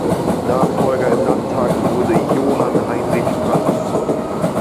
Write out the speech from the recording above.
Nachfolger im Landtag wurde Johann Heinrich Franz.